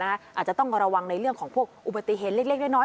อาจจะต้องระวังในเรื่องของพวกอุบัติเหตุเล็กน้อย